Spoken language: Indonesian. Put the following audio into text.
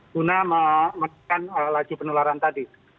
guna menekan laju penularan tadi